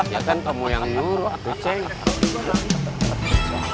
ya kan kamu yang nyuruh tuh ceng